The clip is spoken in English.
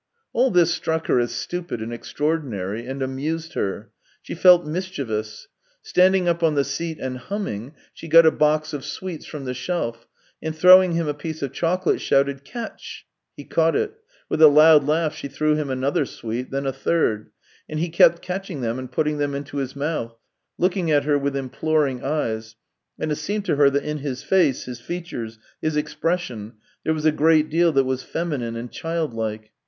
All this struck her as stupid and extraordinary, and amused her. She felt mischievous. Standing up on the seat and humming, she got a box of sweets from the shelf, and throwing him a piece of chocolate, shouted: " Catch !" He caught it. With a loud laugh she threw him another sweet, then a third, and he kept catching them and putting them into his mouth, looking at her with imploring eyes; and it seemed to her that in his face, his features, his expression, there was a great deal that was feminine and childlike.